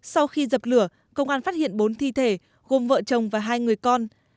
sau khi dập lửa công an phát hiện bốn thi thể gồm vợ chồng và hai người con